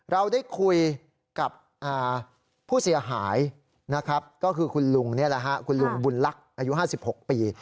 เราได้คุยกับผู้เสียหายนะครับก็คือคุณลุงนี่แหละฮะคุณลุงบุญลักษณ์อายุ๕๖ปี